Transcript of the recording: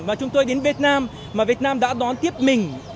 mà chúng tôi đến việt nam mà việt nam đã đón tiếp mình